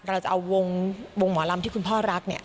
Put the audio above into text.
เราจะเอาวงหมอลำที่คุณพ่อรักเนี่ย